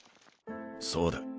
そうだ。